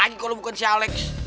siapa lagi kalau bukan si alex